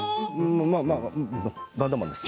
まあまあ、バンドマンです。